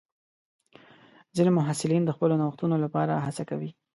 ځینې محصلین د خپلو نوښتونو لپاره هڅه کوي.